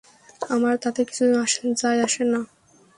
আমার তাতে কিছু যায় আসে না।